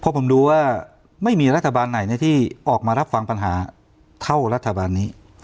เพราะผมดูว่าไม่มีรัฐบาลไหนที่ออกมารับฟังปัญหาเท่ารัฐบาลนี้